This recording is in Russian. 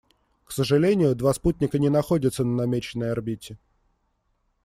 К сожалению, два спутника не находятся на намеченной орбите.